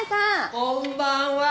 こんばんは。